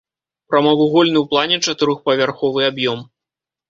Прамавугольны ў плане чатырохпавярховы аб'ём.